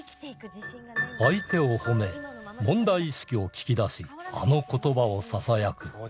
相手を褒め問題意識を聞き出しあの言葉をささやく。